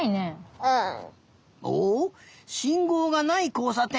おっしんごうがないこうさてん。